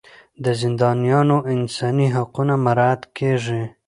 د زندانیانو انساني حقونه مراعات کیږي.